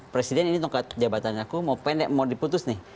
presiden ini tongkat jabatan aku mau pendek mau diputus nih